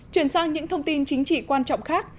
chuyển sang những thông tin chính trị quan trọng khác